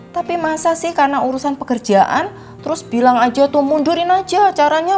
tapi masa sih karena urusan pekerjaan terus bilang aja tuh mundurin aja caranya